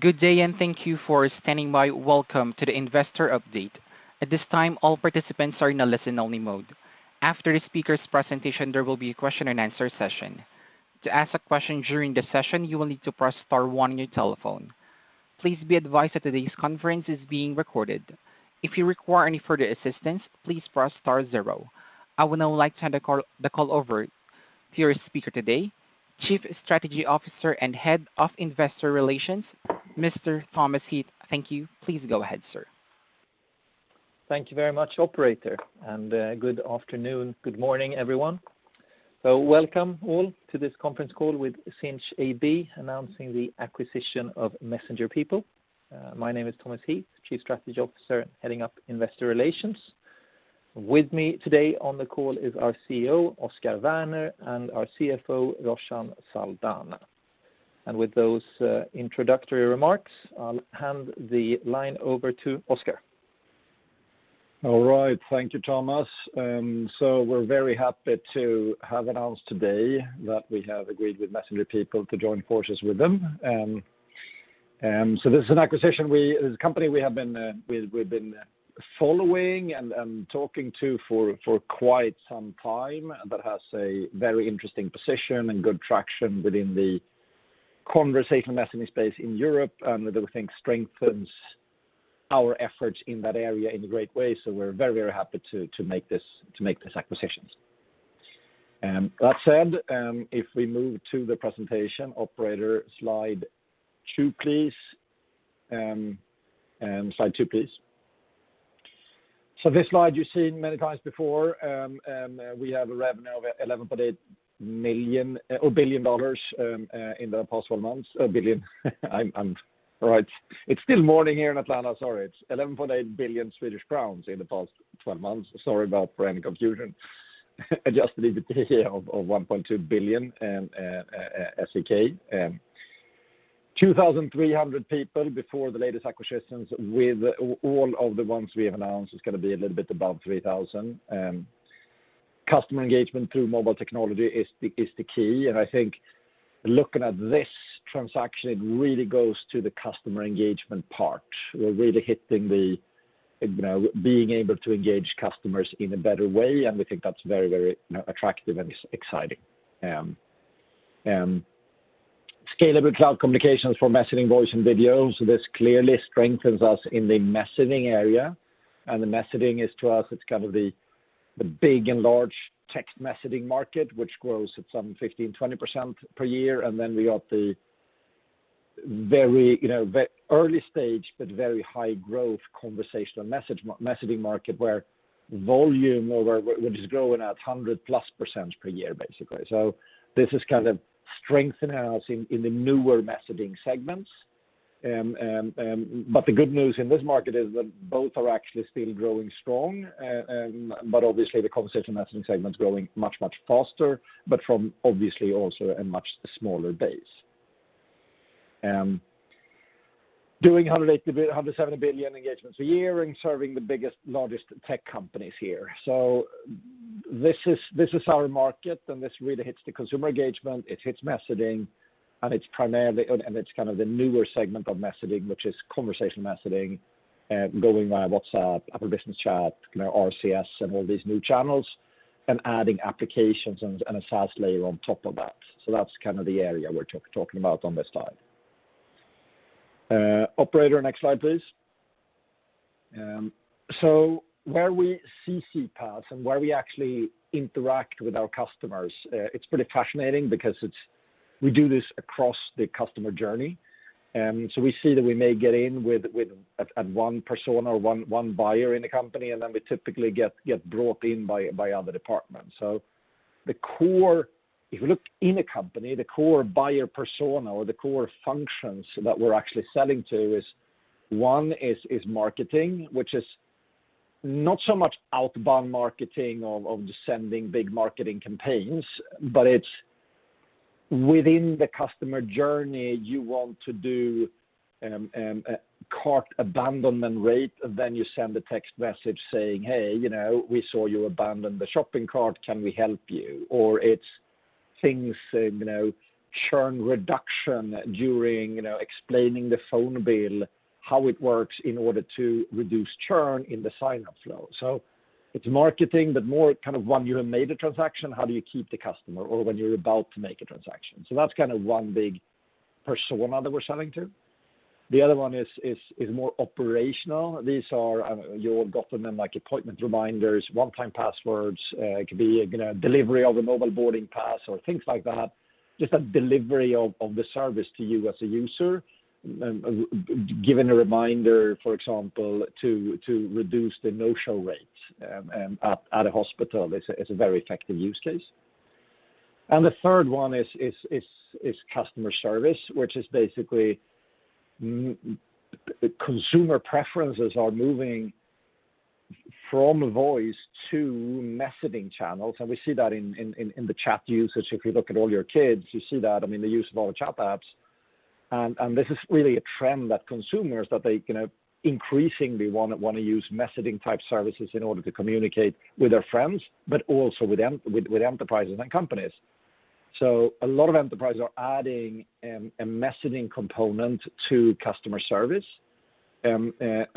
Good day and thank your for standing by, welcome to the Investor update. This time all participants are in listen only mode. After speaker presentation there will be question and answer session. To ask a question during the session you will need to press star one on your telephone. Please be advice the today's conference is being recorded. If you require any further assistance please press star zero I would now like to hand the call over to your speaker today, Chief Strategy Officer and Head of Investor Relations, Mr. Thomas Heath. Thank you. Please go ahead, sir. Thank you very much, operator, and good afternoon. Good morning, everyone. Welcome all to this conference call with Sinch AB, announcing the acquisition of MessengerPeople. My name is Thomas Heath, Chief Strategy Officer, heading up investor relations. With me today on the call is our CEO, Oscar Werner, and our CFO, Roshan Saldanha. With those introductory remarks, I'll hand the line over to Oscar. All right. Thank you, Thomas. We're very happy to have announced today that we have agreed with MessengerPeople to join forces with them. This is an acquisition, as a company, we've been following and talking to for quite some time, that has a very interesting position and good traction within the conversational messaging space in Europe, and that we think strengthens our efforts in that area in a great way. We're very happy to make this acquisition. That said, if we move to the presentation, operator, slide two, please. This slide you've seen many times before. We have a revenue of SEK 11.8 billion in the past 12 months. Billion, right. It's still morning here in Atlanta, sorry. It's 11.8 billion Swedish crowns in the past 12 months. Sorry about any confusion. Adjusted EBITDA of 1.2 billion. 2,300 people before the latest acquisitions. With all of the ones we have announced, it's going to be a little bit above 3,000. Customer engagement through mobile technology is the key, I think looking at this transaction, it really goes to the customer engagement part. We're really hitting the being able to engage customers in a better way, we think that's very attractive and exciting. Scalable cloud communications for messaging, voice, and video. This clearly strengthens us in the messaging area, the messaging is to us, it's kind of the big and large text messaging market, which grows at 15%-20% per year. Then we got the early stage, but very high growth conversational messaging market, where volume, which is growing at 100+% per year, basically. This is kind of strengthening us in the newer messaging segments. The good news in this market is that both are actually still growing strong. Obviously, the conversational messaging segment is growing much faster, but from obviously also a much smaller base. Doing 170 billion engagements a year and serving the biggest, largest tech companies here. This is our market, and this really hits the consumer engagement. It hits messaging, and it's kind of the newer segment of messaging, which is conversational messaging, going via WhatsApp, Apple Business Chat, RCS, and all these new channels, and adding applications and a SaaS layer on top of that. That's kind of the area we're talking about on this slide. Operator, next slide, please. Where we see CPaaS and where we actually interact with our customers, it's pretty fascinating because we do this across the customer journey. We see that we may get in at one persona or one buyer in the company, and then we typically get brought in by other departments. If you look in a company, the core buyer persona or the core functions that we're actually selling to is, one is marketing, which is not so much outbound marketing of just sending big marketing campaigns, but it's within the customer journey you want to do cart abandonment rate, and then you send a text message saying, "Hey, we saw you abandoned the shopping cart. Can we help you?" Or it's things, churn reduction during explaining the phone bill, how it works in order to reduce churn in the sign-up flow. It's marketing, but more kind of one, you have made a transaction, how do you keep the customer? Or when you're about to make a transaction. That's one big persona that we're selling to. The other one is more operational. You would've gotten them like appointment reminders, one-time passwords. It could be delivery of a mobile boarding pass or things like that, just a delivery of the service to you as a user. Given a reminder, for example, to reduce the no-show rate at a hospital is a very effective use case. The third one is customer service, which is basically consumer preferences are moving from voice to messaging channels, and we see that in the chat usage. If you look at all your kids, you see that, the use of all the chat apps. This is really a trend that consumers, that they increasingly want to use messaging-type services in order to communicate with their friends, but also with enterprises and companies. A lot of enterprises are adding a messaging component to customer service. That's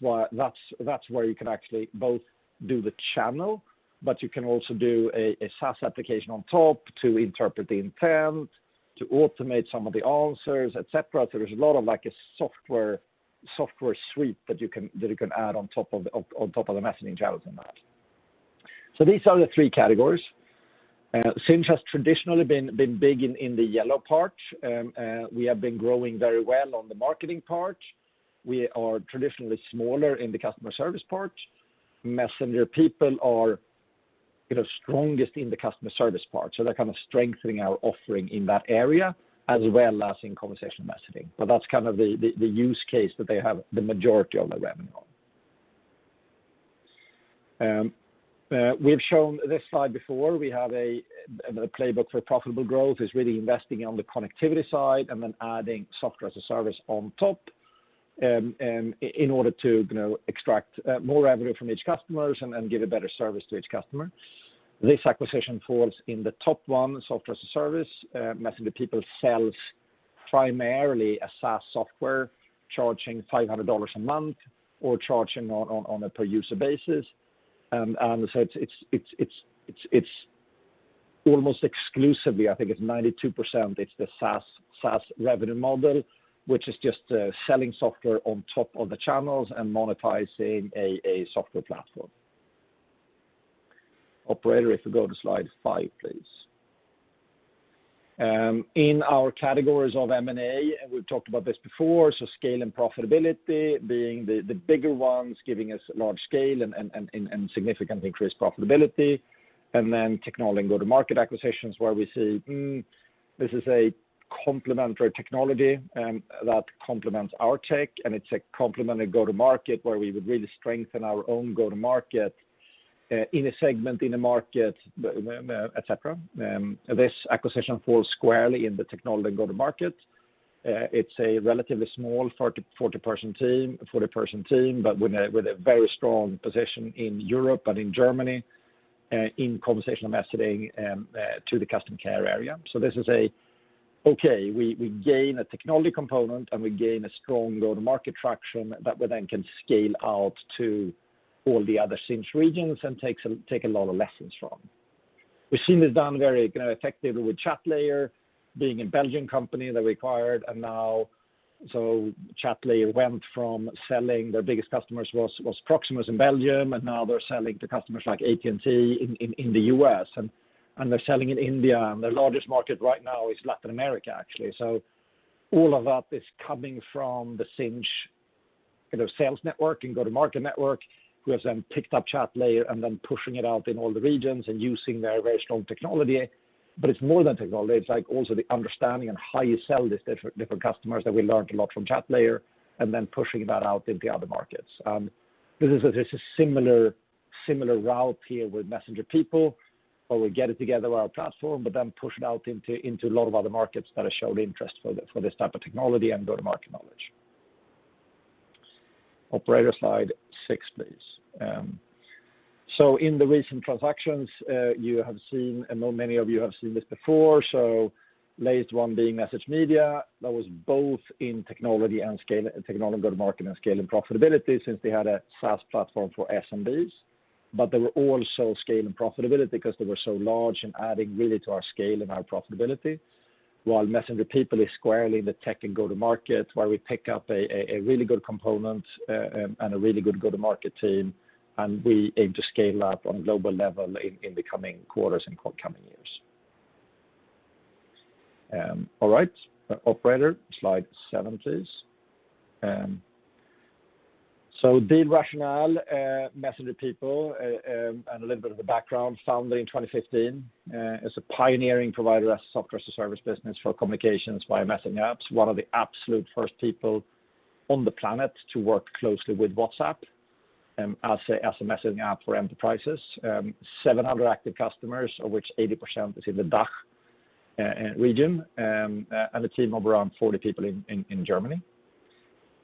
where you can actually both do the channel, but you can also do a SaaS application on top to interpret the intent, to automate some of the answers, et cetera. There's a lot of a software suite that you can add on top of the messaging channels in that. These are the three categories. Sinch has traditionally been big in the yellow part. We have been growing very well on the marketing part. We are traditionally smaller in the customer service part. MessengerPeople are strongest in the customer service part, they're kind of strengthening our offering in that area, as well as in conversational messaging. That's kind of the use case that they have the majority of their revenue on. We've shown this slide before. We have a playbook for profitable growth is really investing on the connectivity side adding software as a service on top in order to extract more revenue from each customer and give a better service to each customer. This acquisition falls in the top one, software as a service. MessengerPeople sells primarily a SaaS software, charging $500 a month or charging on a per-user basis. It's almost exclusively, I think it's 92%, it's the SaaS revenue model, which is just selling software on top of the channels and monetizing a software platform. Operator, if you go to slide five, please. In our categories of M&A, and we've talked about this before, so scale and profitability being the bigger ones, giving us large scale and significant increased profitability, and then technology and go-to-market acquisitions, where we see this is a complementary technology that complements our tech, and it's a complementary go-to-market where we would really strengthen our own go-to-market in a segment, in a market, et cetera. This acquisition falls squarely in the technology and go-to-market. It's a relatively small 40-person team, but with a very strong position in Europe and in Germany in conversational messaging to the customer care area. This is a, okay, we gain a technology component, and we gain a strong go-to-market traction that we then can scale out to all the other Sinch regions and take a lot of lessons from. We've seen this done very effectively with Chatlayer, being a Belgian company that we acquired. Chatlayer went from selling, their biggest customers was Proximus in Belgium, and now they're selling to customers like AT&T in the U.S., and they're selling in India, and their largest market right now is Latin America, actually. All of that is coming from the Sinch sales network and go-to-market network, who has then picked up Chatlayer and then pushing it out in all the regions and using their original technology. It's more than technology. It's also the understanding in how you sell this to different customers that we learned a lot from Chatlayer and then pushing that out into the other markets. This is a similar route here with MessengerPeople, where we get it together with our platform, then push it out into a lot of other markets that have showed interest for this type of technology and go-to-market knowledge. Operator, slide six, please. In the recent transactions, I know many of you have seen this before, so latest one being MessageMedia. That was both in technology go-to-market and scale and profitability since they had a SaaS platform for SMBs. They were also scale and profitability because they were so large and adding really to our scale and our profitability. While MessengerPeople is squarely in the tech and go-to-market, where we pick up a really good component and a really good go-to-market team, we aim to scale up on global level in the coming quarters and coming years. All right. Operator, slide seven, please. Deal rationale, MessengerPeople, and a little bit of the background, founded in 2015, is a pioneering provider of software as a service business for communications via messaging apps. One of the absolute first people on the planet to work closely with WhatsApp as a messaging app for enterprises. 700 active customers, of which 80% is in the DACH region, and a team of around 40 people in Germany.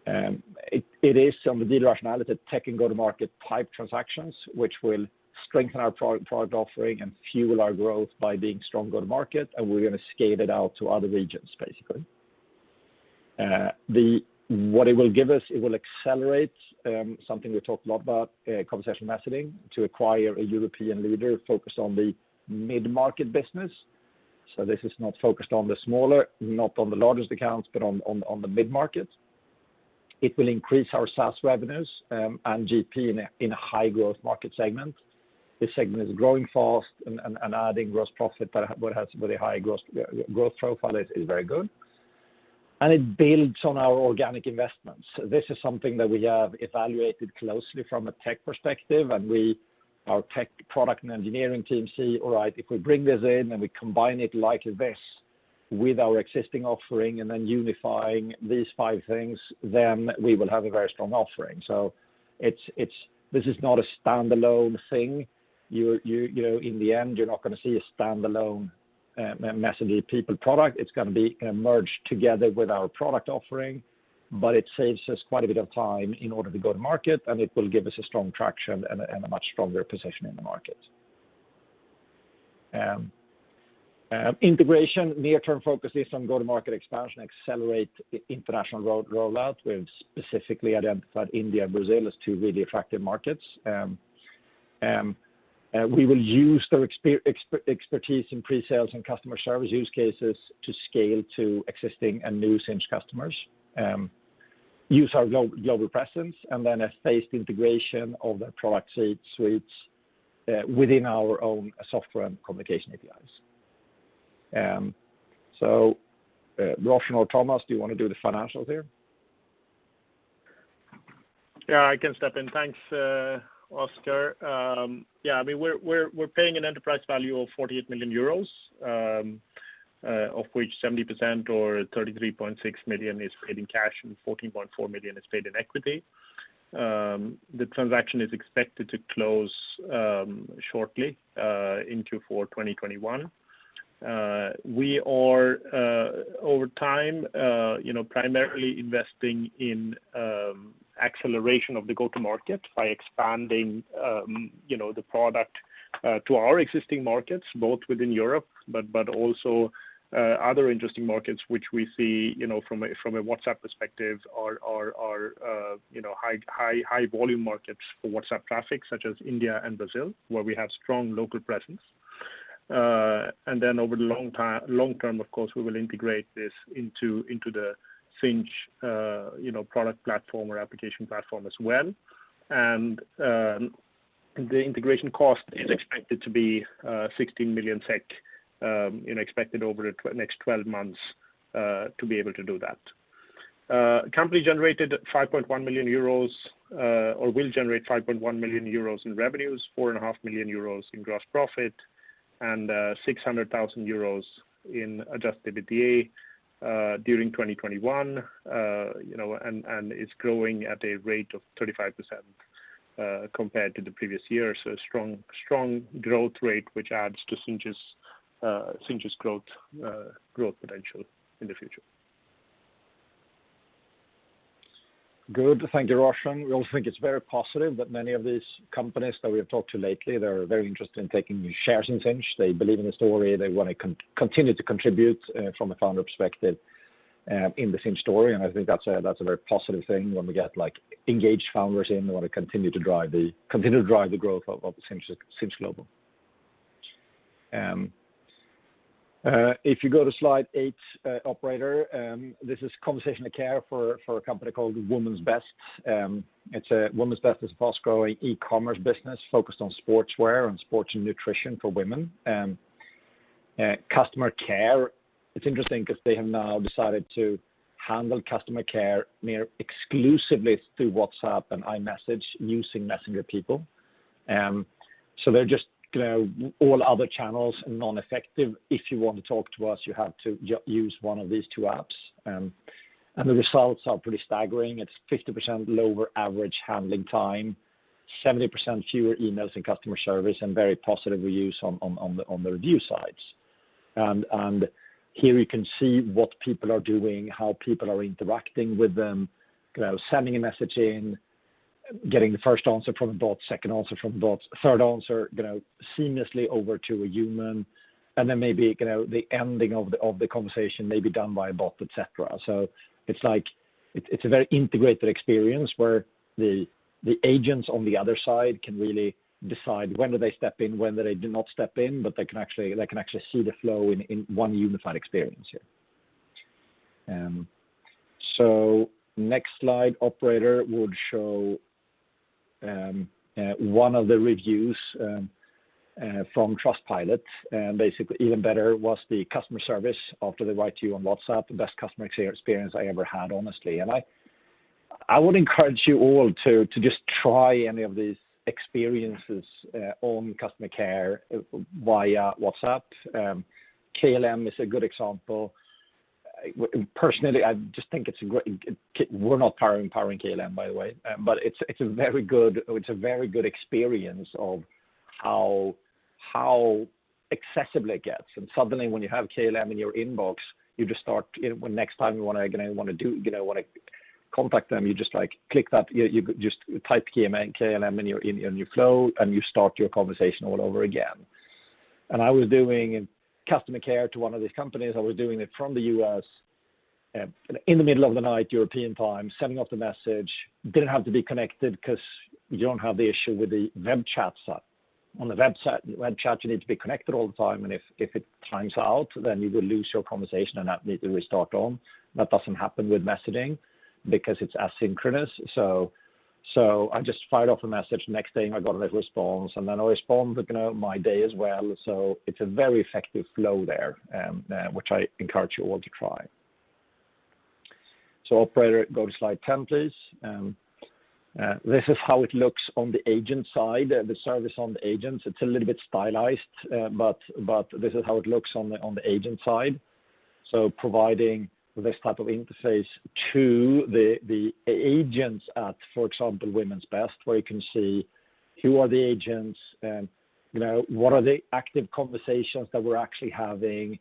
It is, on the deal rationale, the tech and go-to-market type transactions, which will strengthen our product offering and fuel our growth by being strong go-to-market, and we're going to scale it out to other regions, basically. What it will give us, it will accelerate something we talked a lot about, conversational messaging, to acquire a European leader focused on the mid-market business. This is not focused on the smaller, not on the largest accounts, but on the mid-market. It will increase our SaaS revenues and GP in a high-growth market segment. This segment is growing fast and adding gross profit, has very high growth profile. It's very good. It builds on our organic investments. This is something that we have evaluated closely from a tech perspective, our tech product and engineering team see, all right, if we bring this in and we combine it like this with our existing offering and then unifying these five things, we will have a very strong offering. This is not a standalone thing. In the end, you're not going to see a standalone MessengerPeople product. It's going to be merged together with our product offering. It saves us quite a bit of time in order to go to market, and it will give us a strong traction and a much stronger position in the market. Integration near-term focus is on go-to-market expansion, accelerate international rollout. We've specifically identified India and Brazil as two really attractive markets. We will use their expertise in pre-sales and customer service use cases to scale to existing and new Sinch customers. Use our global presence and then a phased integration of their product suites within our own software and communication APIs. Roshan or Thomas, do you want to do the financials here? Yeah, I can step in. Thanks, Oscar. We're paying an enterprise value of 48 million euros, of which 70% or 33.6 million is paid in cash and 14.4 million is paid in equity. The transaction is expected to close shortly, in Q4 2021. We are, over time, primarily investing in acceleration of the go-to-market by expanding the product to our existing markets, both within Europe but also other interesting markets which we see, from a WhatsApp perspective, are high volume markets for WhatsApp traffic, such as India and Brazil, where we have strong local presence. Over the long term, of course, we will integrate this into the Sinch product platform or application platform as well. The integration cost is expected to be 16 million SEK, expected over the next 12 months to be able to do that. Company will generate 5.1 million euros in revenues, 4.5 million euros in gross profit and 600,000 euros in adjusted EBITDA during 2021. It's growing at a rate of 35% compared to the previous year. A strong growth rate, which adds to Sinch's growth potential in the future. Good. Thank you, Roshan. We also think it's very positive that many of these companies that we have talked to lately, they are very interested in taking new shares in Sinch. They believe in the story. They want to continue to contribute, from a founder perspective, in the Sinch story. I think that's a very positive thing when we get engaged founders in who want to continue to drive the growth of Sinch global. If you go to slide eight, operator, this is conversational care for a company called Women's Best. Women's Best is a fast-growing e-commerce business focused on sportswear and sports nutrition for women. Customer care, it's interesting because they have now decided to handle customer care exclusively through WhatsApp and iMessage using MessengerPeople. They're just all other channels non-effective. If you want to talk to us, you have to use one of these two apps. The results are pretty staggering. It's 50% lower average handling time, 70% fewer emails in customer service, and very positive reviews on the review sites. Here you can see what people are doing, how people are interacting with them. Sending a message in, getting the first answer from a bot, second answer from a bot, third answer seamlessly over to a human, and then maybe the ending of the conversation may be done by a bot, et cetera. It's a very integrated experience where the agents on the other side can really decide when do they step in, when they do not step in, but they can actually see the flow in one unified experience here. Next slide, operator, would show one of the reviews from Trustpilot. Basically, "Even better was the customer service after they write to you on WhatsApp, the best customer experience I ever had, honestly." I would encourage you all to just try any of these experiences on customer care via WhatsApp. KLM is a good example. We're not powering KLM, by the way. It's a very good experience of how accessible it gets. Suddenly, when you have KLM in your inbox, next time you want to contact them, you just click that, you just type KLM in your flow, and you start your conversation all over again. I was doing customer care to one of these companies. I was doing it from the U.S. in the middle of the night, European time, sending off the message. Didn't have to be connected because you don't have the issue with the web chat side. On the website, web chat, you need to be connected all the time, and if it times out, then you will lose your conversation and have to restart on. That doesn't happen with messaging because it's asynchronous. I just fired off a message. Next day, I got a response, and then I respond within my day as well. It's a very effective flow there, which I encourage you all to try. Operator, go to slide 10, please. This is how it looks on the agent side, the service on the agent. It's a little bit stylized, but this is how it looks on the agent side. Providing this type of interface to the agents at, for example, Women's Best, where you can see who are the agents? What are the active conversations that we're actually having?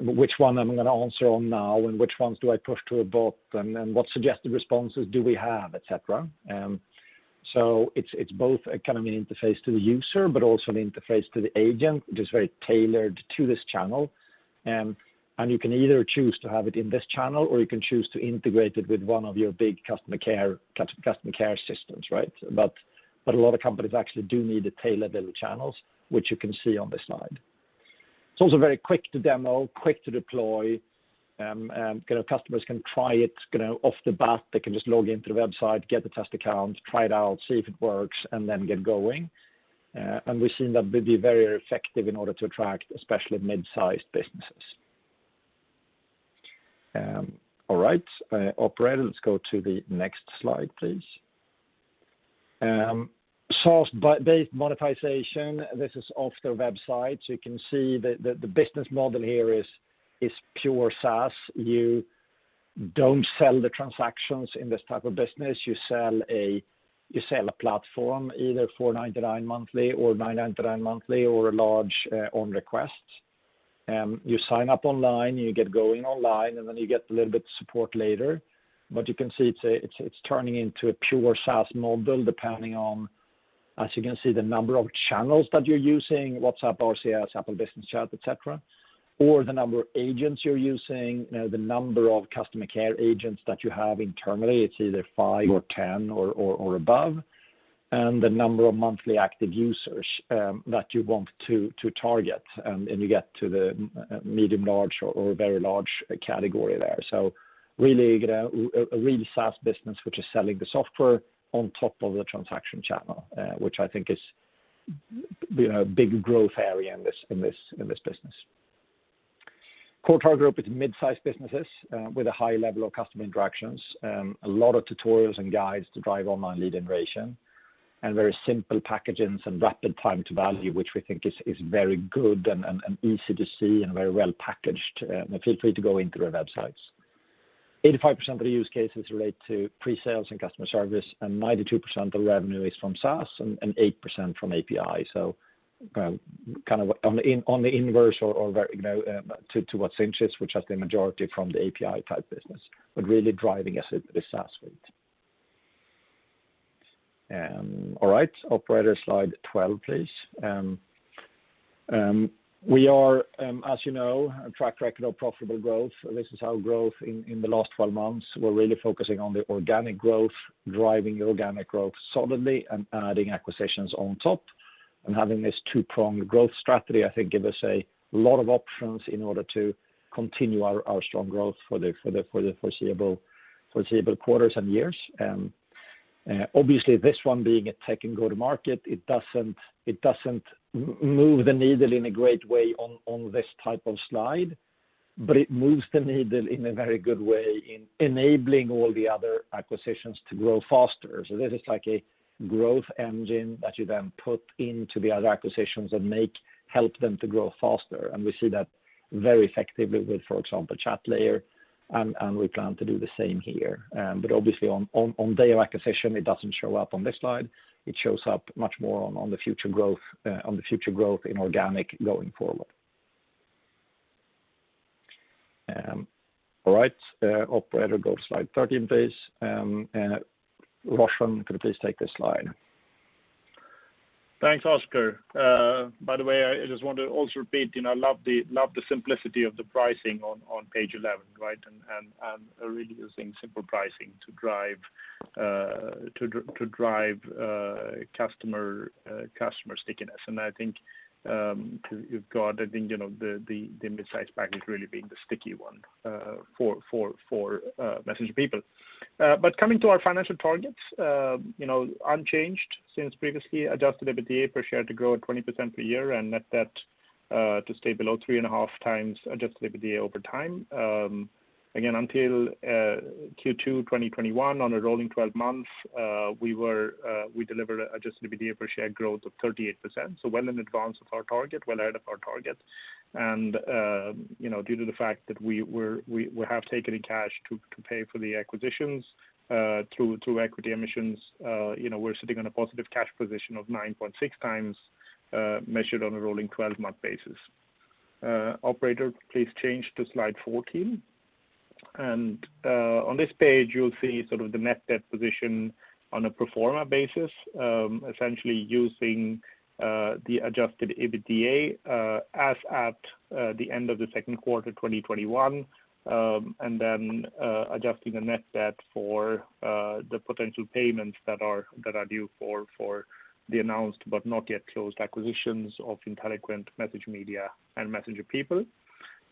Which one I'm going to answer on now, and which ones do I push to a bot? What suggested responses do we have, et cetera. It's both a kind of an interface to the user, but also an interface to the agent, which is very tailored to this channel. You can either choose to have it in this channel, or you can choose to integrate it with one of your big customer care systems, right? A lot of companies actually do need the tailor-built channels, which you can see on this slide. It's also very quick to demo, quick to deploy. Customers can try it off the bat. They can just log into the website, get the test account, try it out, see if it works, and then get going. We've seen that be very effective in order to attract, especially mid-sized businesses. All right. Operator, let's go to the next slide, please. SaaS-based monetization. This is off their website, so you can see that the business model here is pure SaaS. You don't sell the transactions in this type of business. You sell a platform either for 499 monthly or 999 monthly or a large on request. You sign up online, you get going online, and then you get a little bit support later. But you can see it's turning into a pure SaaS model, depending on, as you can see, the number of channels that you're using, WhatsApp, RCS, Apple Business Chat, et cetera, or the number of agents you're using, the number of customer care agents that you have internally. It's either five or 10 or above. The number of monthly active users that you want to target, and you get to the medium large or very large category there. Really a real SaaS business, which is selling the software on top of the transaction channel, which I think is a big growth area in this business. Core target group is midsize businesses with a high level of customer interactions. A lot of tutorials and guides to drive online lead generation. Very simple packaging and rapid time to value, which we think is very good and easy to see and very well packaged. Feel free to go into their websites. 85% of the use cases relate to pre-sales and customer service, 92% of the revenue is from SaaS and 8% from API. Kind of on the inverse to what Sinch is, which has the majority from the API type business, but really driving as the SaaS suite. All right. Operator, slide 12, please. We are, as you know, a track record of profitable growth. This is our growth in the last 12 months. We're really focusing on the organic growth, driving organic growth solidly and adding acquisitions on top. Having this two-pronged growth strategy I think give us a lot of options in order to continue our strong growth for the foreseeable quarters and years. Obviously, this one being a tech and go-to-market, it doesn't move the needle in a great way on this type of slide, but it moves the needle in a very good way in enabling all the other acquisitions to grow faster. This is like a growth engine that you then put into the other acquisitions and help them to grow faster. We see that very effectively with, for example, Chatlayer, and we plan to do the same here. Obviously on day of acquisition, it doesn't show up on this slide. It shows up much more on the future growth in organic going forward. All right. Operator, go to slide 13, please. Roshan, could you please take this slide? Thanks, Oscar. By the way, I just want to also repeat, I love the simplicity of the pricing on page 11, right? Really using simple pricing to drive customer stickiness. I think you've got, I think the midsize package really being the sticky one for MessengerPeople. Coming to our financial targets. Unchanged since previously, adjusted EBITDA per share to grow at 20% per year and net debt to stay below 3.5 times adjusted EBITDA over time. Again, until Q2 2021, on a rolling 12 months, we delivered adjusted EBITDA per share growth of 38%. Well in advance of our target, well ahead of our target. Due to the fact that we have taken in cash to pay for the acquisitions through equity emissions, we're sitting on a positive cash position of 9.6 times, measured on a rolling 12-month basis. Operator, please change to slide 14. On this page, you'll see sort of the net debt position on a pro forma basis, essentially using the adjusted EBITDA as at the end of the second quarter, 2021, then adjusting the net debt for the potential payments that are due for the announced but not yet closed acquisitions of Inteliquent, MessageMedia, and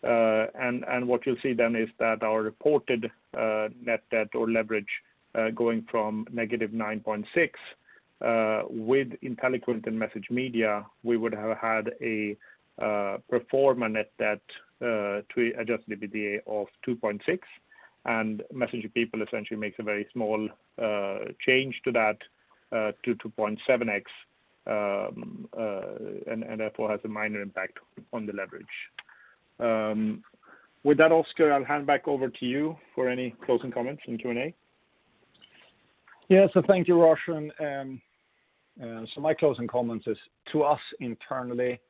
MessengerPeople. What you'll see then is that our reported net debt or leverage going from -9.6 with Inteliquent and MessageMedia, we would have had a pro forma net debt to adjusted EBITDA of 2.6. MessengerPeople essentially makes a very small change to that, to 2.7x, therefore has a minor impact on the leverage. With that, Oscar, I'll hand back over to you for any closing comments and Q&A. Yes. Thank you, Roshan. My closing comments is, to us internally,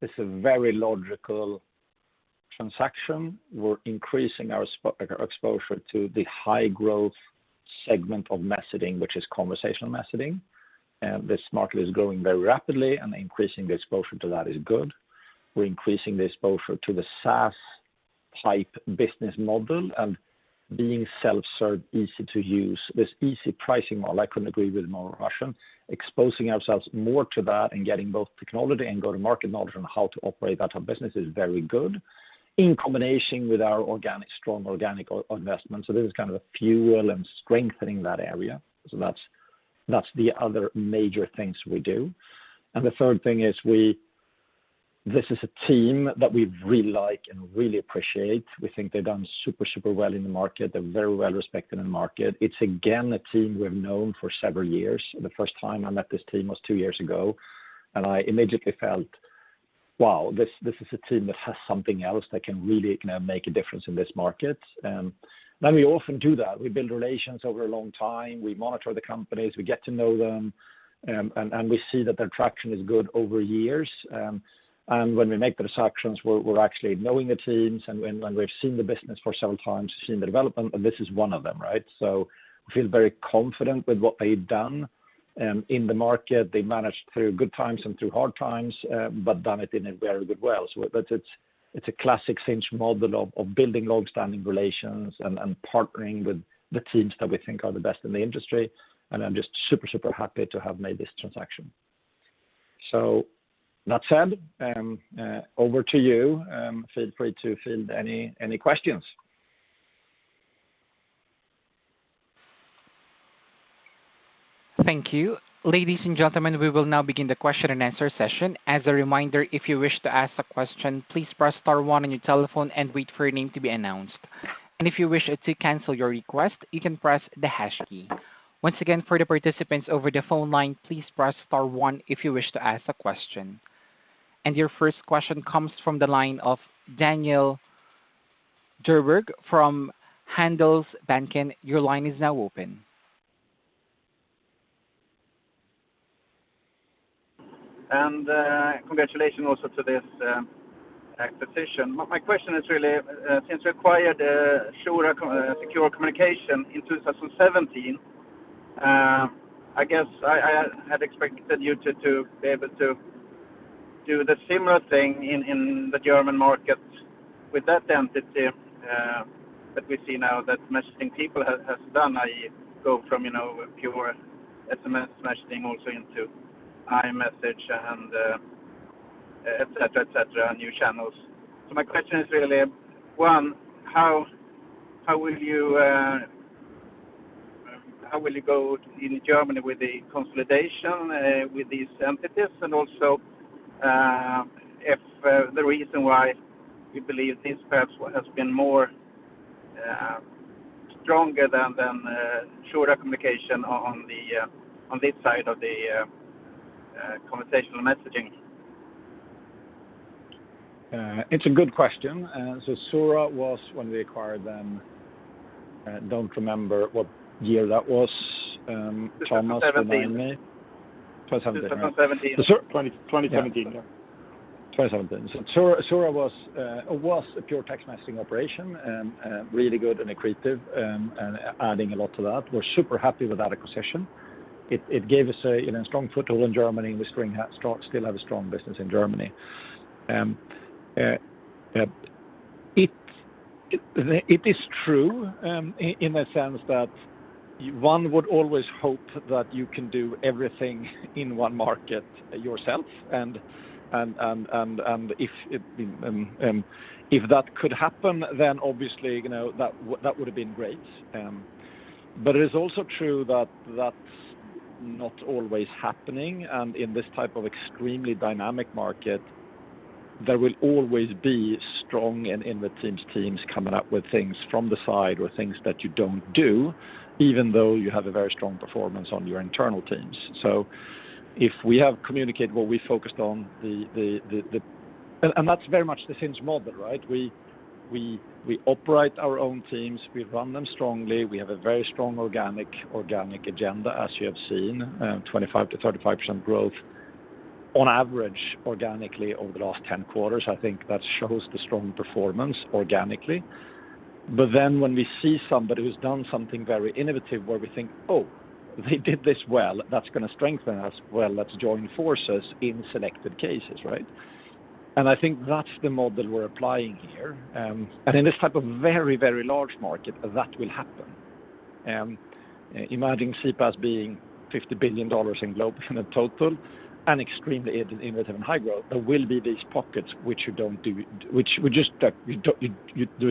this is a very logical transaction. We're increasing our exposure to the high growth segment of messaging, which is conversational messaging. This market is growing very rapidly, and increasing the exposure to that is good. We're increasing the exposure to the SaaS type business model, and being self-serve, easy to use, this easy pricing model. I couldn't agree with more Roshan. Exposing ourselves more to that and getting both technology and go to market knowledge on how to operate that type of business is very good in combination with our strong organic investment. This is kind of a fuel and strengthening that area. That's the other major things we do. The third thing is, this is a team that we really like and really appreciate. We think they've done super well in the market. They're very well respected in the market. It's again, a team we've known for two years. The first time I met this team was two years ago, I immediately felt, wow, this is a team that has something else that can really make a difference in this market. We often do that. We build relations over a long time. We monitor the companies. We get to know them. We see that their traction is good over years. When we make the decisions, we're actually knowing the teams and when we've seen the business for several times, seen the development, and this is one of them, right? We feel very confident with what they've done. In the market, they managed through good times and through hard times, but done it in a very good way. It's a classic Sinch model of building longstanding relations and partnering with the teams that we think are the best in the industry. I'm just super happy to have made this transaction. With that said, over to you. Feel free to field any questions. Thank you. Ladies and gentlemen, we will now begin the question and answer session. As a reminder, if you wish to ask a question, please press star one on your telephone and wait for your name to be announced. If you wish it to cancel your request, you can press the hash key. Once again, for the participants over the phone line, please press star one if you wish to ask a question. Your first question comes from the line of Daniel Djurberg from Handelsbanken. Your line is now open. Congratulations also to this acquisition. My question is really, since you acquired Xura Secure Communications GmbH in 2017, I guess I had expected you to be able to do the similar thing in the German market with that entity, that we see now that MessengerPeople has done. I go from pure SMS messaging also into iMessage and et cetera, new channels. My question is really, one, how will you go in Germany with the consolidation with these entities? Also, if the reason why you believe this perhaps has been more stronger than Xura Communications on this side of the conversational messaging. It's a good question. Xura was, when we acquired them, I don't remember what year that was. Thomas, remind me. 2017. 2017, yeah. 2017. Xura was a pure text messaging operation, and really good and accretive, and adding a lot to that. We're super happy with that acquisition. It gave us a strong foothold in Germany, and we still have a strong business in Germany. It is true, in the sense that one would always hope that you can do everything in one market yourself, and if that could happen, then obviously, that would have been great. It is also true that's not always happening, and in this type of extremely dynamic market, there will always be strong and innovative teams coming up with things from the side or things that you don't do, even though you have a very strong performance on your internal teams. That's very much the Sinch model, right? We operate our own teams. We run them strongly. We have a very strong organic agenda, as you have seen, 25%-35% growth on average organically over the last 10 quarters. I think that shows the strong performance organically. When we see somebody who's done something very innovative where we think, "Oh, they did this well, that's going to strengthen us. Well, let's join forces in selected cases," right? I think that's the model we're applying here. In this type of very large market, that will happen. Imagining CPaaS being SEK 50 billion in global in a total and extremely innovative and high growth, there will be these pockets which there's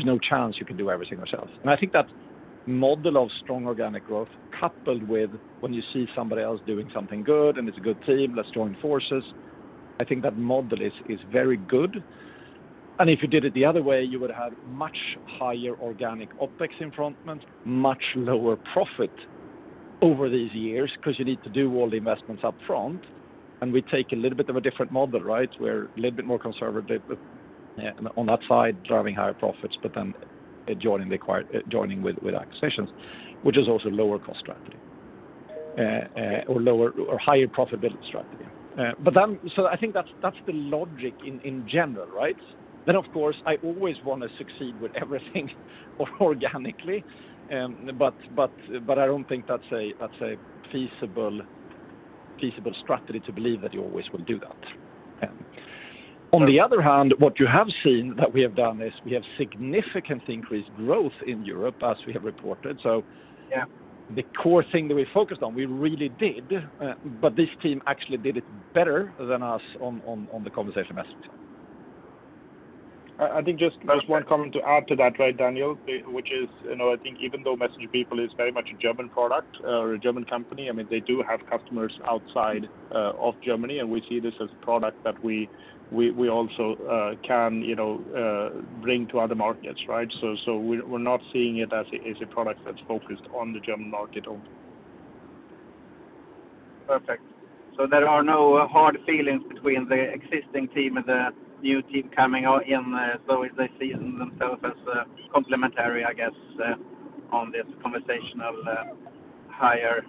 no chance you can do everything yourself. I think that model of strong organic growth coupled with when you see somebody else doing something good and it's a good team, let's join forces. I think that model is very good. If you did it the other way, you would have much higher organic OpEx up front, much lower profit over these years, because you need to do all the investments up front, we take a little bit of a different model. We're a little bit more conservative on that side, driving higher profits, joining with acquisitions, which is also lower cost strategy, or higher profitability strategy. I think that's the logic in general. Of course, I always want to succeed with everything organically, I don't think that's a feasible strategy to believe that you always will do that. On the other hand, what you have seen that we have done is we have significantly increased growth in Europe as we have reported. Yeah. The core thing that we focused on, we really did, but this team actually did it better than us on the conversational messaging side. I think just one comment to add to that, Daniel, which is, I think even though MessengerPeople is very much a German product or a German company, they do have customers outside of Germany, and we see this as a product that we also can bring to other markets. We're not seeing it as a product that's focused on the German market only. Perfect. There are no hard feelings between the existing team and the new team coming in, if they see themselves as complementary, I guess, on this conversational, higher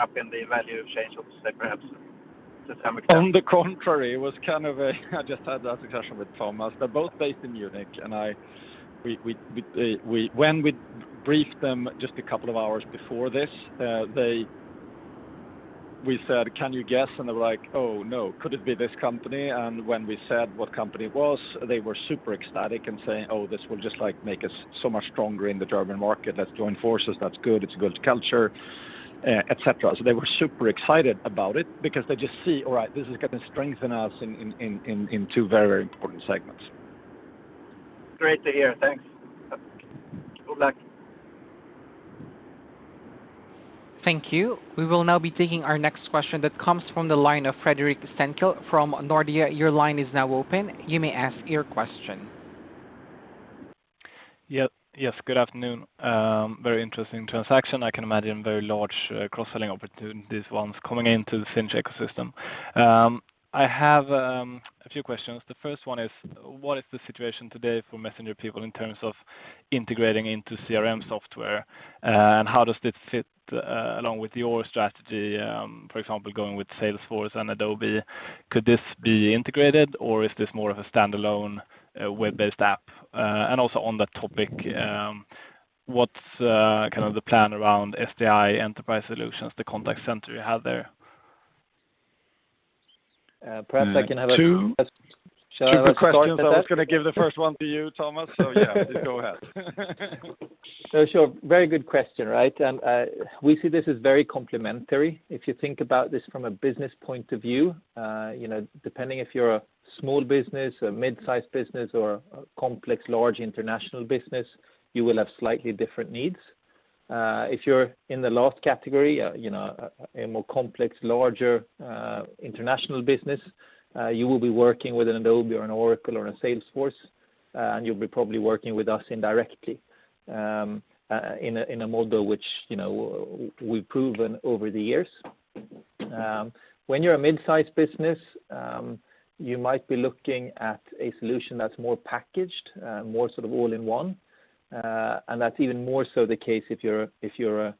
up in the value chain, to say. On the contrary, I just had that discussion with Thomas. They're both based in Munich, and when we briefed them just a couple of hours before this, we said, "Can you guess?" They were like, "Oh, no, could it be this company?" When we said what company it was, they were super ecstatic and saying, "Oh, this will just make us so much stronger in the German market. Let's join forces. That's good. It's a good culture," et cetera. They were super excited about it because they just see, all right, this is going to strengthen us in two very important segments. Great to hear. Thanks. Good luck. Thank you. We will now be taking our next question that comes from the line of Fredrik Stenkil from Nordea. Your line is now open. You may ask your question. Yes. Good afternoon. Very interesting transaction. I can imagine very large cross-selling opportunities once coming into the Sinch ecosystem. I have a few questions. The first one is, what is the situation today for MessengerPeople in terms of integrating into CRM software? How does this fit along with your strategy, for example, going with Salesforce and Adobe? Could this be integrated, or is this more of a standalone web-based app? Also on that topic, what's the plan around SDI Enterprise Solutions, the contact center you have there? Perhaps I can have a. Two super questions. I was going to give the first one to you, Thomas. Yeah, go ahead. Sure. Very good question. We see this as very complementary. If you think about this from a business point of view, depending if you're a small business, a mid-size business, or a complex, large international business, you will have slightly different needs. If you're in the last category, a more complex, larger, international business, you will be working with an Adobe or an Oracle or a Salesforce, and you'll be probably working with us indirectly, in a model which we've proven over the years. When you're a mid-size business, you might be looking at a solution that's more packaged, more all-in-one. That's even more so the case if you're a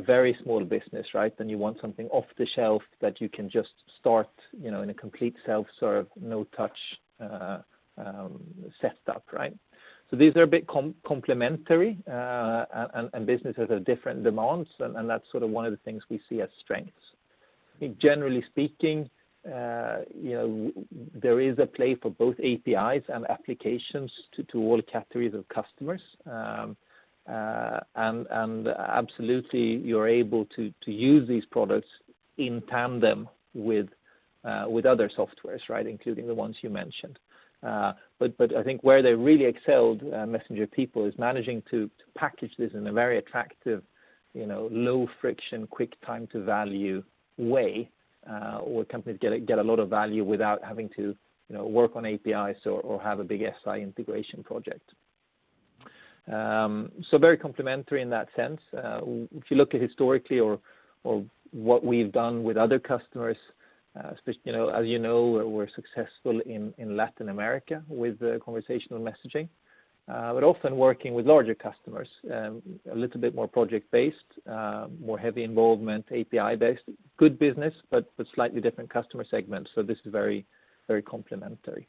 very small business. You want something off the shelf that you can just start in a complete self-serve, no-touch, setup. These are a bit complementary, and businesses have different demands, and that's one of the things we see as strengths. I think generally speaking, there is a play for both APIs and applications to all categories of customers. Absolutely, you're able to use these products in tandem with other softwares, including the ones you mentioned. I think where they really excelled, MessengerPeople, is managing to package this in a very attractive, low friction, quick time to value way, where companies get a lot of value without having to work on APIs or have a big SI integration project. Very complementary in that sense. If you look at historically or what we've done with other customers, as you know, we're successful in Latin America with conversational messaging. We're often working with larger customers, a little bit more project-based, more heavy involvement, API-based, good business, but with slightly different customer segments. This is very complementary.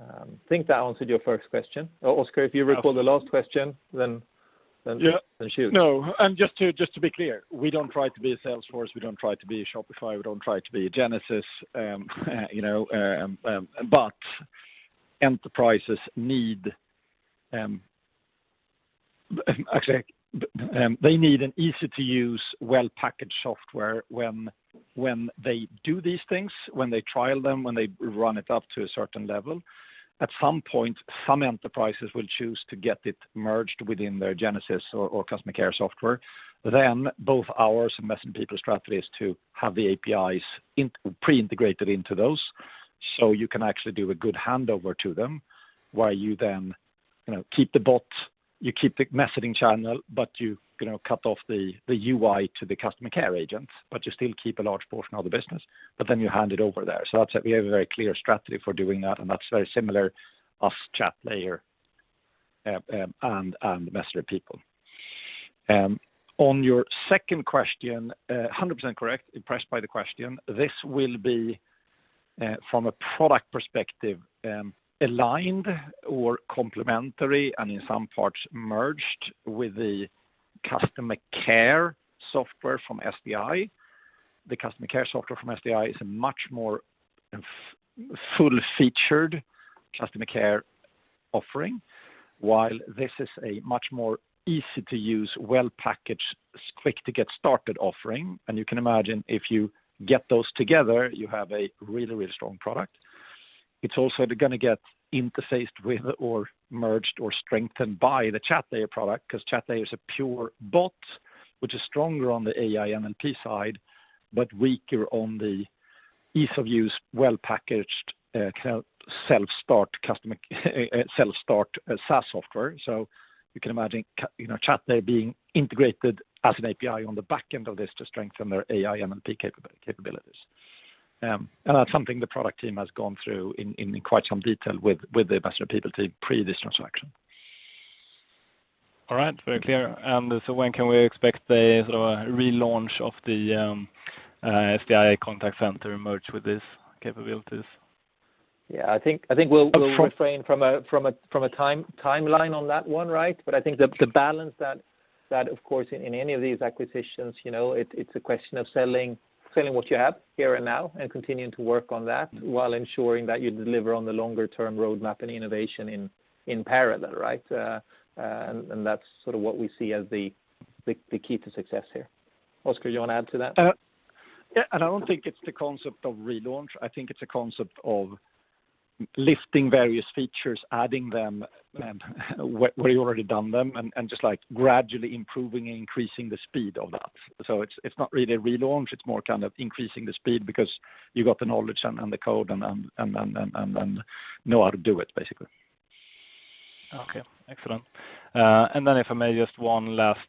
I think that answered your first question. Oscar, if you recall the last question, shoot. No, just to be clear, we don't try to be a Salesforce, we don't try to be a Shopify, we don't try to be a Genesys. Enterprises need an easy-to-use, well-packaged software when they do these things, when they trial them, when they run it up to a certain level. At some point, some enterprises will choose to get it merged within their Genesys or customer care software. Both ours and MessengerPeople's strategy is to have the APIs pre-integrated into those. You can actually do a good handover to them, where you then keep the bot, you keep the messaging channel, but you cut off the UI to the customer care agents, but you still keep a large portion of the business, but then you hand it over there. That's it. We have a very clear strategy for doing that, and that's very similar, us Chatlayer and MessengerPeople. On your second question, 100% correct, impressed by the question. This will be, from a product perspective, aligned or complementary, and in some parts, merged with the customer care software from SDI. The customer care software from SDI is a much more full-featured customer care offering, while this is a much more easy-to-use, well-packaged, quick-to-get-started offering. You can imagine, if you get those together, you have a really strong product. It's also going to get interfaced with or merged or strengthened by the Chatlayer product, because Chatlayer is a pure bot, which is stronger on the AI, NLP side, but weaker on the ease-of-use, well-packaged, self-start SaaS software. You can imagine Chatlayer being integrated as an API on the back end of this to strengthen their AI, NLP capabilities. That's something the product team has gone through in quite some detail with the MessengerPeople team pre this transaction. All right. Very clear. When can we expect the relaunch of the SDI contact center merged with these capabilities? Yeah, I think we'll refrain from a timeline on that one, right? I think the balance that, of course, in any of these acquisitions, it's a question of selling what you have here and now, and continuing to work on that while ensuring that you deliver on the longer-term roadmap and innovation in parallel, right? That's sort of what we see as the key to success here. Oscar, you want to add to that? Yeah, I don't think it's the concept of relaunch. I think it's a concept of lifting various features, adding them where you've already done them, and just gradually improving and increasing the speed of that. It's not really a relaunch, it's more kind of increasing the speed because you got the knowledge and the code and know how to do it, basically. Okay. Excellent. If I may, just one last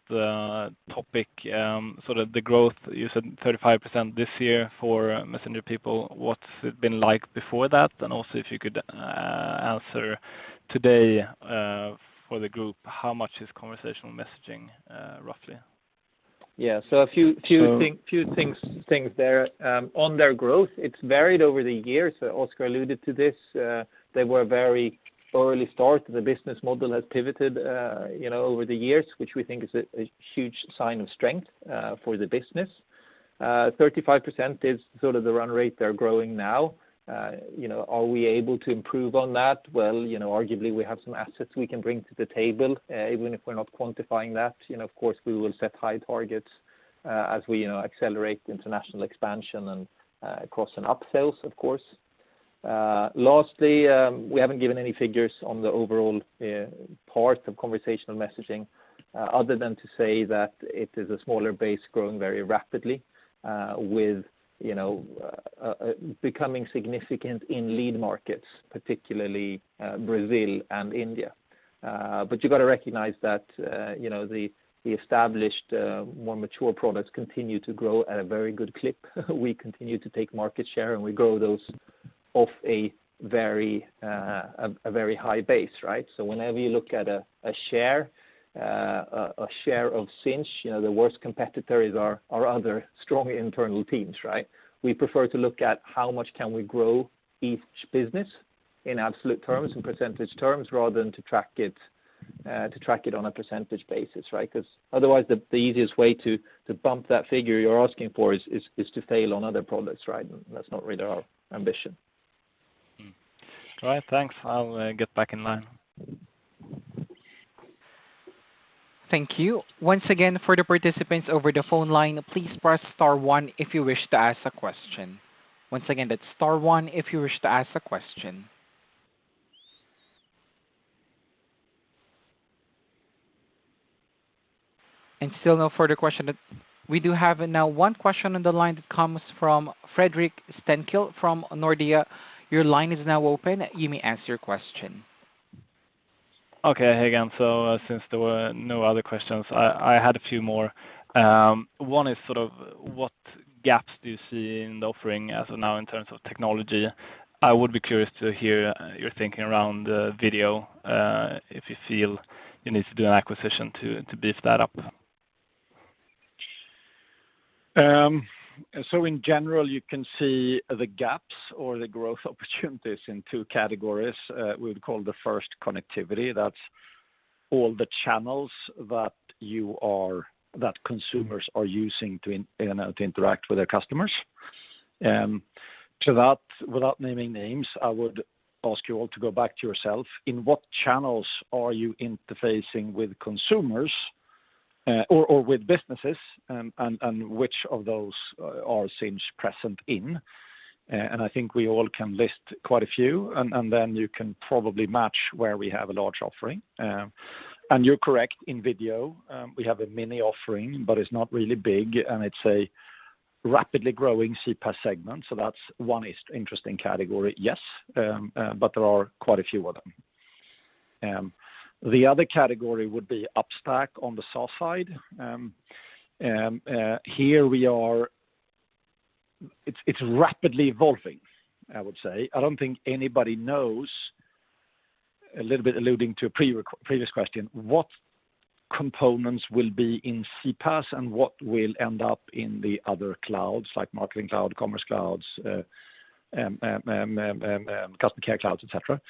topic. The growth, you said 35% this year for MessengerPeople. What's it been like before that? If you could answer today, for the group, how much is conversational messaging, roughly? Yeah. A few things there. On their growth, it's varied over the years. Oscar alluded to this. They were very early start. The business model has pivoted over the years, which we think is a huge sign of strength for the business. 35% is sort of the run rate they're growing now. Are we able to improve on that? Well, arguably, we have some assets we can bring to the table, even if we're not quantifying that. Of course, we will set high targets as we accelerate international expansion and cross and upsells, of course. Lastly, we haven't given any figures on the overall part of conversational messaging, other than to say that it is a smaller base growing very rapidly with becoming significant in lead markets, particularly Brazil and India. You've got to recognize that the established, more mature products continue to grow at a very good clip. We continue to take market share, and we grow those off a very high base, right? Whenever you look at a share of Sinch, the worst competitors are other strong internal teams, right? We prefer to look at how much can we grow each business in absolute terms and percentage terms, rather than to track it on a percentage basis, right? Otherwise, the easiest way to bump that figure you're asking for is to fail on other products, right? That's not really our ambition. All right. Thanks. I'll get back in line. Thank you. Once again, for the participants over the phone line, please press star one if you wish to ask a question. Once again, that's star one if you wish to ask a question. Still no further question. We do have now one question on the line that comes from Fredrik Stenkil from Nordea. Your line is now open. You may ask your question. Okay, hey again. Since there were no other questions, I had a few more. One is, what gaps do you see in the offering as of now in terms of technology? I would be curious to hear your thinking around video, if you feel you need to do an acquisition to beef that up. In general, you can see the gaps or the growth opportunities in two categories. We would call the first connectivity. That's all the channels that consumers are using to interact with their customers. To that, without naming names, I would ask you all to go back to yourself. In what channels are you interfacing with consumers or with businesses, and which of those are Sinch present in? I think we all can list quite a few, and then you can probably match where we have a large offering. You're correct. In video, we have a mini offering, but it's not really big, and it's a rapidly growing CPaaS segment. That's one interesting category, yes, but there are quite a few of them. The other category would be upstack on the SaaS side. Here, it's rapidly evolving, I would say. I don't think anybody knows, a little bit alluding to a previous question, what components will be in CPaaS and what will end up in the other clouds, like marketing cloud, commerce clouds, customer care clouds, et cetera.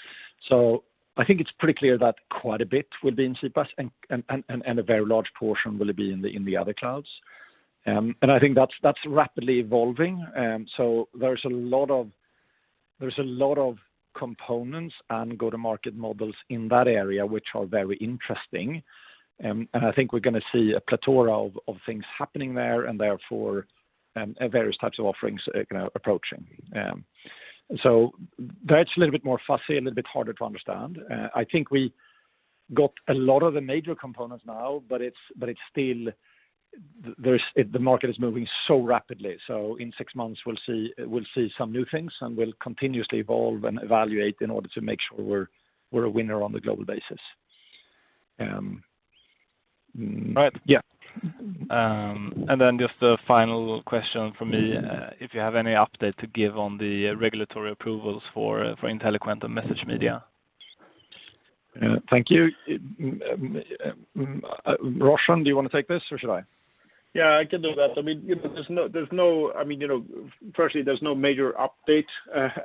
I think it's pretty clear that quite a bit will be in CPaaS, and a very large portion will be in the other clouds. I think that's rapidly evolving. There's a lot of components and go-to-market models in that area which are very interesting. I think we're going to see a plethora of things happening there, therefore, various types of offerings approaching. That's a little bit more fuzzy, a little bit harder to understand. I think we got a lot of the major components now, but the market is moving so rapidly, so in 6 months, we'll see some new things, and we'll continuously evolve and evaluate in order to make sure we're a winner on the global basis. Right. Yeah. Just a final question from me. If you have any update to give on the regulatory approvals for Inteliquent and MessageMedia. Thank you. Roshan, do you want to take this, or should I? I can do that. Firstly, there's no major update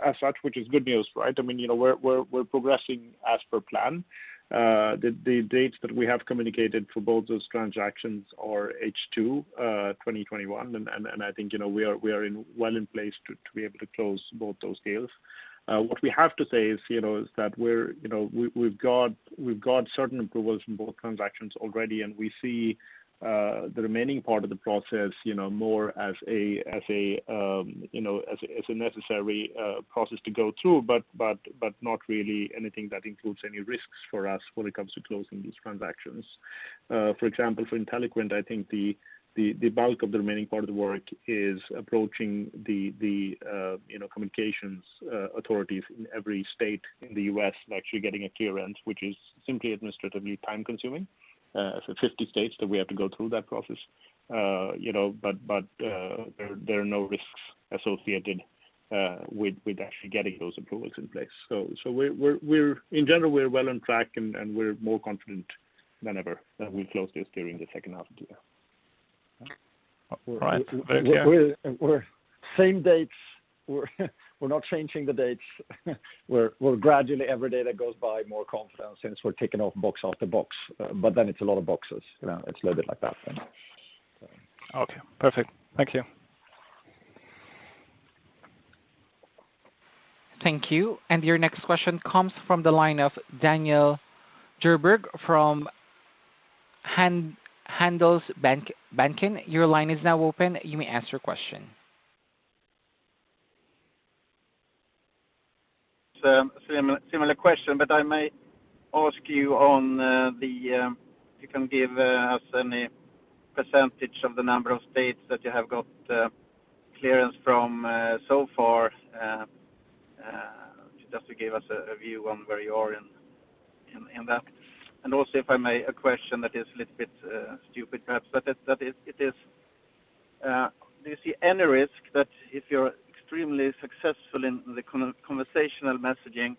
as such, which is good news, right? We're progressing as per plan. The dates that we have communicated for both those transactions are H2 2021, and I think we are well in place to be able to close both those deals. What we have to say is that we've got certain approvals from both transactions already, and we see the remaining part of the process, more as a necessary process to go through, but not really anything that includes any risks for us when it comes to closing these transactions. For example, for Inteliquent, I think the bulk of the remaining part of the work is approaching the communications authorities in every state in the U.S. to actually getting a clearance, which is simply administratively time-consuming. 50 states that we have to go through that process. There are no risks associated with actually getting those approvals in place. In general, we're well on track, and we're more confident than ever that we'll close this during the second half of the year. All right. Thank you. We're same dates. We're not changing the dates. We're gradually, every day that goes by, more confidence since we're ticking off box after box. It's a lot of boxes. It's a little bit like that. Okay, perfect. Thank you. Thank you. Your next question comes from the line of Daniel Djurberg from Handelsbanken. Your line is now open. You may ask your question. Similar question, but I may ask you if you can give us any percentage of the number of states that you have got clearance from so far, just to give us a view on where you are in that. Also, if I may, a question that is a little bit stupid perhaps, but it is, do you see any risk that if you're extremely successful in the conversational messaging,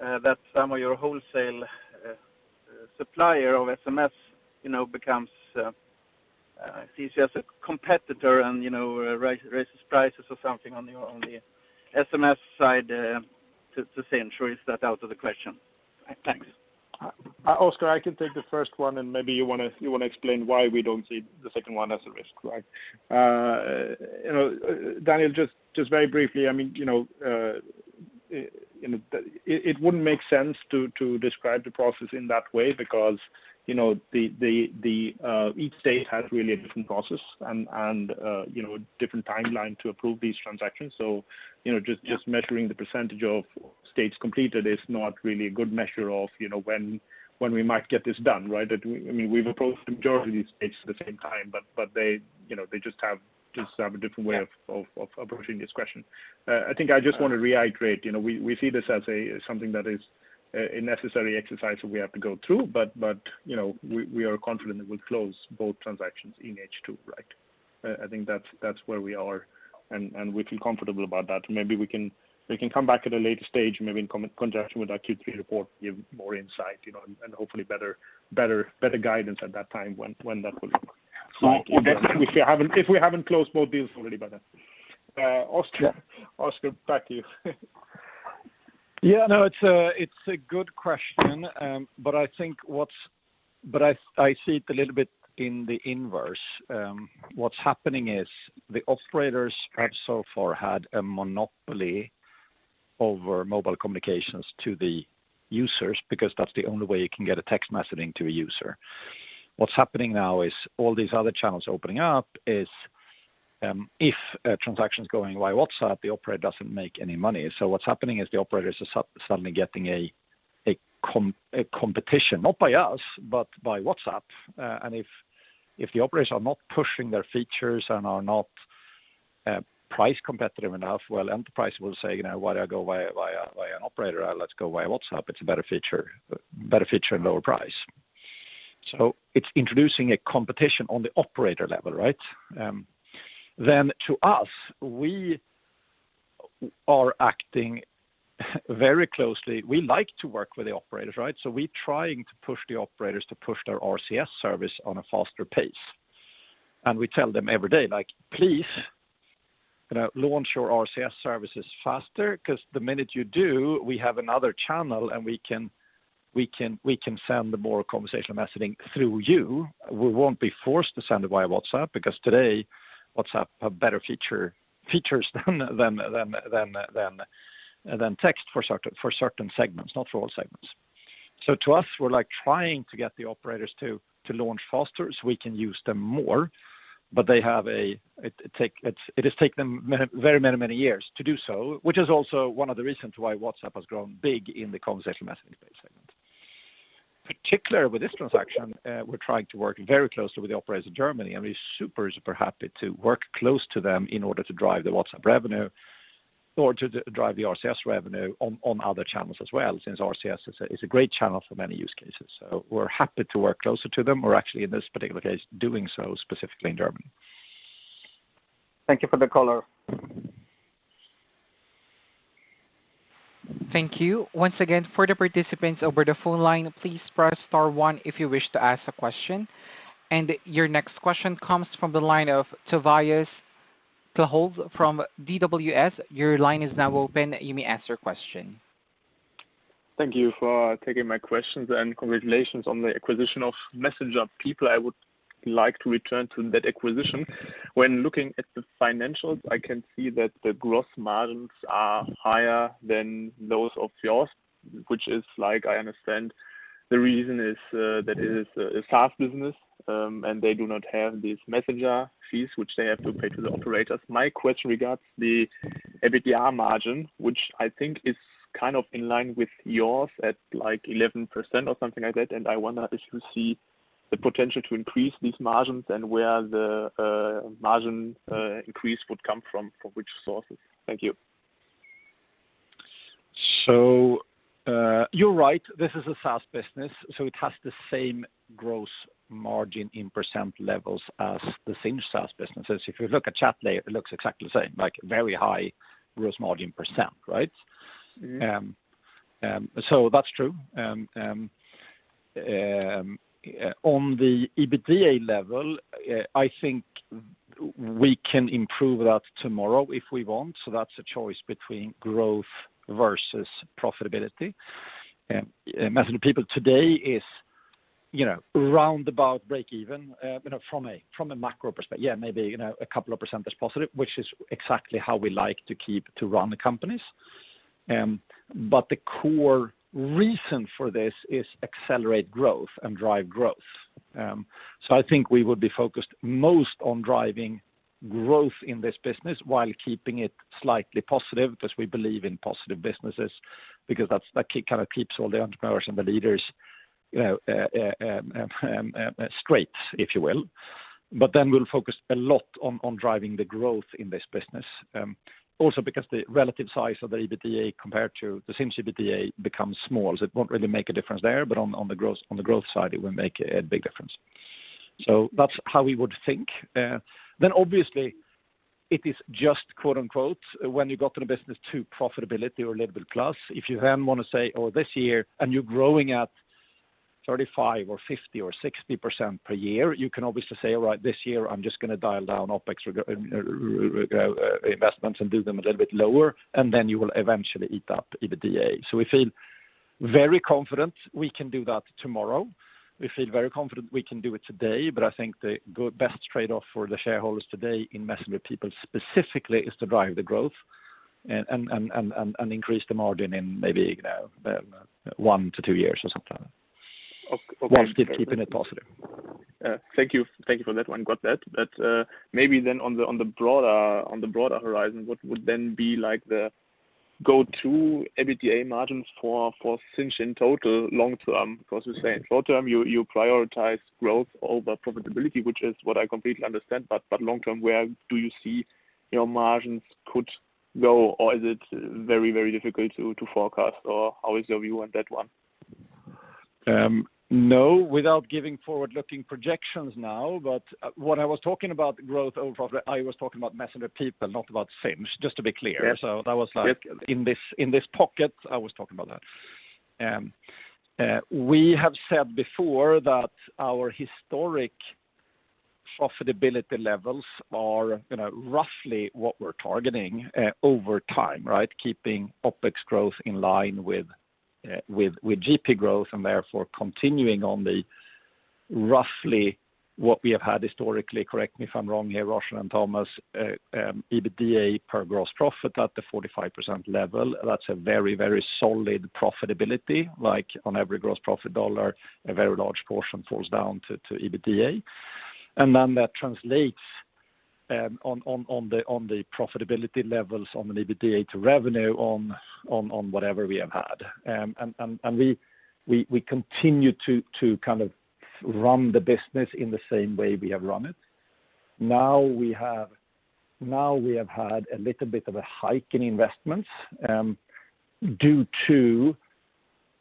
that some of your wholesale supplier of SMS sees you as a competitor and raises prices or something on the SMS side to Sinch? Or is that out of the question? Thanks. Oscar, I can take the first one, and maybe you want to explain why we don't see the second one as a risk. Right. Daniel, just very briefly, it wouldn't make sense to describe the process in that way because each state has really a different process and a different timeline to approve these transactions. Just measuring the percentage of states completed is not really a good measure of when we might get this done, right? We've approached the majority of these states at the same time, but they just have a different way of approaching this question. I think I just want to reiterate, we see this as something that is a necessary exercise that we have to go through, but we are confident that we'll close both transactions in H2, right? I think that's where we are, and we feel comfortable about that. Maybe we can come back at a later stage, maybe in conjunction with our Q3 report, give more insight, and hopefully better guidance at that time when that will look. If we haven't closed both deals already by then. Oscar, back to you. Yeah, no, it's a good question. I see it a little bit in the inverse. What's happening is the operators have so far had a monopoly over mobile communications to the users because that's the only way you can get a text messaging to a user. What's happening now is all these other channels opening up is, if a transaction's going via WhatsApp, the operator doesn't make any money. What's happening is the operators are suddenly getting a competition, not by us, but by WhatsApp. If the operators are not pushing their features and are not price competitive enough, well, enterprise will say, "Why I go via an operator? Let's go via WhatsApp. It's a better feature and lower price." It's introducing a competition on the operator level, right? To us, we are acting very closely. We like to work with the operators, right? We trying to push the operators to push their RCS service on a faster pace. We tell them every day, "Please launch your RCS services faster, because the minute you do, we have another channel and we can send the more conversational messaging through you. We won't be forced to send via WhatsApp, because today WhatsApp have better features than text for certain segments, not for all segments." To us, we're trying to get the operators to launch faster so we can use them more. It has take them very many years to do so, which is also one of the reasons why WhatsApp has grown big in the conversational messaging space segment. Particular with this transaction, we're trying to work very closely with the operators in Germany, and we're super happy to work close to them in order to drive the WhatsApp revenue or to drive the RCS revenue on other channels as well, since RCS is a great channel for many use cases. We're happy to work closer to them. We're actually, in this particular case, doing so specifically in Germany. Thank you for the color. Thank you. Your next question comes from the line of Tobias Theobald from DWS. Thank you for taking my questions. Congratulations on the acquisition of MessengerPeople. I would like to return to that acquisition. When looking at the financials, I can see that the gross margins are higher than those of yours, which is like I understand the reason is that it is a SaaS business, and they do not have these messenger fees, which they have to pay to the operators. My question regards the EBITDA margin, which I think is kind of in line with yours at like 11% or something like that. I wonder if you see the potential to increase these margins and where the margin increase would come from, which sources. Thank you. You're right, this is a SaaS business, so it has the same gross margin in percent levels as the Sinch SaaS businesses. If you look at Chatlayer, it looks exactly the same, like very high gross margin percent, right? That's true. On the EBITDA level, I think we can improve that tomorrow if we want. That's a choice between growth versus profitability. MessengerPeople today is roundabout breakeven from a macro perspective. Yeah, maybe a couple of percentage positive, which is exactly how we like to run the companies. The core reason for this is accelerate growth and drive growth. I think we would be focused most on driving growth in this business while keeping it slightly positive because we believe in positive businesses, because that kind of keeps all the entrepreneurs and the leaders straight, if you will. We'll focus a lot on driving the growth in this business. Also because the relative size of the EBITDA compared to the Sinch EBITDA becomes small, so it won't really make a difference there, but on the growth side, it will make a big difference. That's how we would think. Obviously, it is just quote, unquote, when you got to the business to profitability or a little bit plus, if you then want to say, or this year, and you're growing at 35% or 50% or 60% per year, you can obviously say, "All right, this year, I'm just going to dial down OpEx investments and do them a little bit lower," and then you will eventually eat up EBITDA. We feel very confident we can do that tomorrow. We feel very confident we can do it today. I think the best trade-off for the shareholders today in MessengerPeople specifically is to drive the growth and increase the margin in maybe one to two years or something. Okay. While still keeping it positive. Thank you for that one. Got that. Maybe then on the broader horizon, what would then be like the go-to EBITDA margins for Sinch in total long-term? You're saying short-term, you prioritize growth over profitability, which is what I completely understand. Long-term, where do you see your margins could go? Is it very difficult to forecast? How is your view on that one? No, without giving forward-looking projections now, but when I was talking about growth over profit, I was talking about MessengerPeople, not about Sinch, just to be clear. Yes. That was like in this pocket, I was talking about that. We have said before that our historic profitability levels are roughly what we're targeting over time, right? Keeping OpEx growth in line with GP growth, and therefore continuing on the roughly what we have had historically, correct me if I'm wrong here, Roshan and Thomas, EBITDA per gross profit at the 45% level. That's a very solid profitability, like on every gross profit dollar, a very large portion falls down to EBITDA. Then that translates on the profitability levels, on an EBITDA to revenue, on whatever we have had. We continue to run the business in the same way we have run it. Now we have had a little bit of a hike in investments due to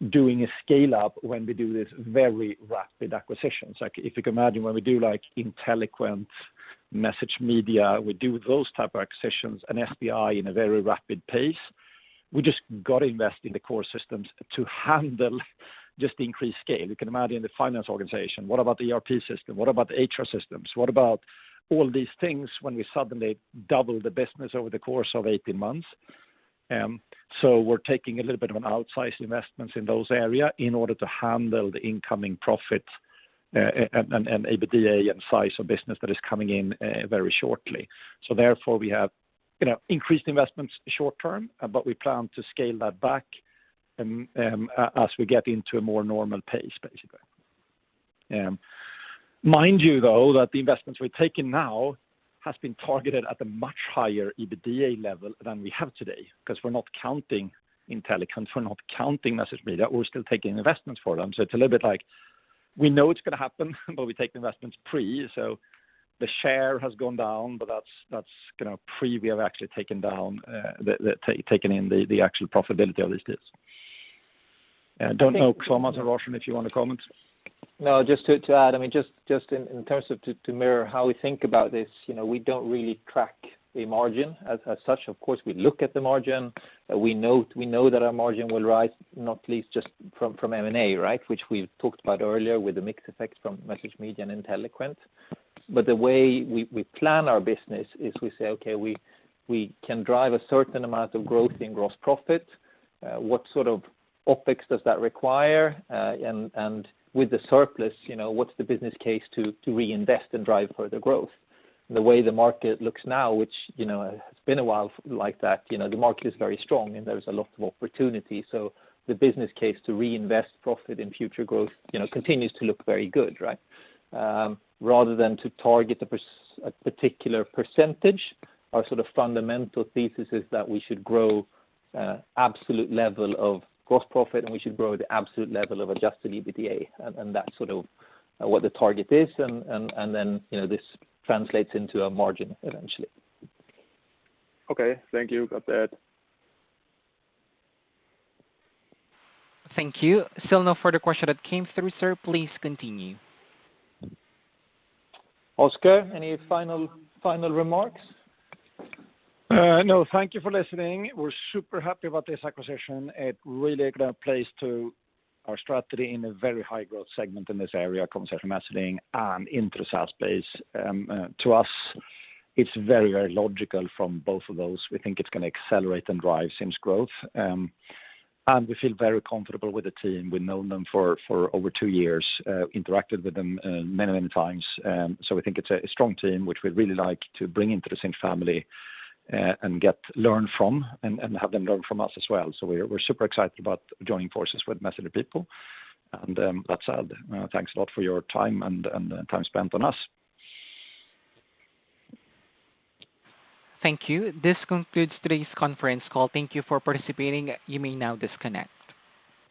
doing a scale-up when we do these very rapid acquisitions. If you can imagine when we do Inteliquent, MessageMedia, we do those type of acquisitions and SDI in a very rapid pace. We just got to invest in the core systems to handle just the increased scale. You can imagine the finance organization, what about the ERP system? What about the HR systems? What about all these things when we suddenly double the business over the course of 18 months? We're taking a little bit of an outsized investments in those area in order to handle the incoming profits and EBITDA and size of business that is coming in very shortly. Therefore, we have increased investments short term, but we plan to scale that back as we get into a more normal pace, basically. Mind you, though, that the investments we're taking now has been targeted at a much higher EBITDA level than we have today because we're not counting Inteliquent, we're not counting MessageMedia. We're still taking investments for them. It's a little bit like we know it's going to happen, but we take the investments pre, so the share has gone down, but that's pre we have actually taken in the actual profitability of these deals. I don't know, Thomas or Roshan, if you want to comment. Just to add, just in terms of to mirror how we think about this, we don't really track a margin as such. Of course, we look at the margin. We know that our margin will rise, not least just from M&A, which we talked about earlier with the mix effect from MessageMedia and Inteliquent. The way we plan our business is we say, okay, we can drive a certain amount of growth in gross profit. What sort of OpEx does that require? With the surplus, what's the business case to reinvest and drive further growth? The way the market looks now, which has been a while like that, the market is very strong and there's a lot of opportunity. The business case to reinvest profit in future growth continues to look very good. Rather than to target a particular percentage, our fundamental thesis is that we should grow absolute level of gross profit. We should grow the absolute level of adjusted EBITDA. That's sort of what the target is. Then this translates into a margin eventually. Okay. Thank you. Got that. Thank you. Still no further question that came through, sir. Please continue. Oscar, any final remarks? No. Thank you for listening. We're super happy about this acquisition. It really plays to our strategy in a very high growth segment in this area, consumer messaging and into the SaaS space. To us, it's very, very logical from both of those. We think it's going to accelerate and drive Sinch growth. We feel very comfortable with the team. We've known them for over two years, interacted with them many times. We think it's a strong team, which we'd really like to bring into the Sinch family and get learned from and have them learn from us as well. We're super excited about joining forces with MessengerPeople. That said, thanks a lot for your time and time spent on us. Thank you. This concludes today's conference call. Thank you for participating. You may now disconnect.